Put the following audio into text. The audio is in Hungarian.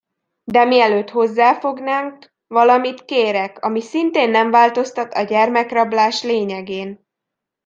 De mielőtt hozzáfognánk, valamit kérek, ami szintén nem változtat a gyermekrablás lényegén.